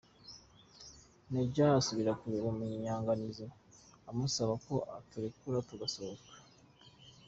Major asubira kureba Munyanganizi, amusaba ko aturekura tugasohoka.